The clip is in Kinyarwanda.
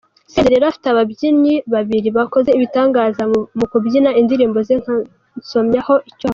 Senderi yari afite ababyinnyi babiri bakoze ibitangaza mu kubyina indirimbo ze nka Nsomyaho, Icyomoro.